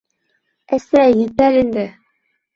Әсәй, етәр инде.